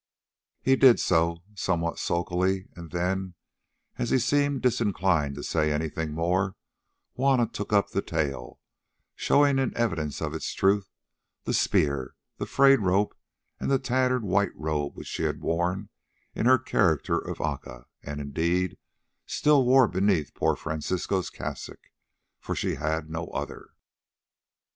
He did so, somewhat sulkily, and then, as he seemed disinclined to say anything more, Juanna took up the tale, showing in evidence of its truth the spear, the frayed rope, and the tattered white robe which she had worn in her character of Aca, and, indeed, still wore beneath poor Francisco's cassock—for she had no other.